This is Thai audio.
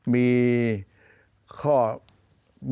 มีข้อบกพร่องที่สำคัญนะครับ